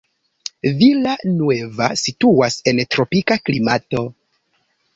Villa Nueva situas en tropika klimato.